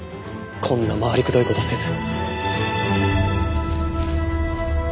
こんな回りくどい事せず。